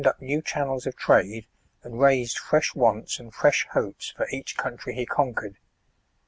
149 up new channels of trade, and raised fresh wants and fresh hopes for each country he conquered.